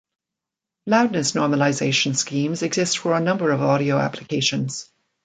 Loudness normalization schemes exist for a number of audio applications.